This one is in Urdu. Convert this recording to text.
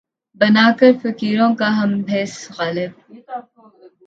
بنا کر فقیروں کا ہم بھیس، غالبؔ!